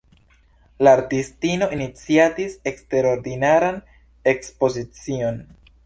La artistino iniciatis eksterordinaran ekspozicion.